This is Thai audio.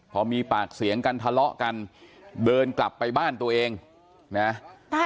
พอมีปากเสียงกันทะเลาะกันเดินกลับไปบ้านตัวเองนะ